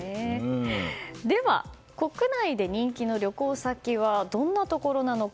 では、国内で人気の旅行先はどんなところなのか。